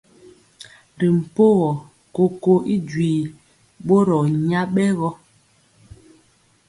Ri mpogɔ koko y duii bɔro nyabɛgɔ.